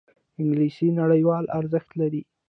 انګلیسي نړیوال ارزښت لري